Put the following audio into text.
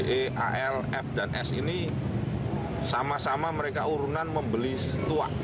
d a l f dan s ini sama sama mereka urunan membeli tuak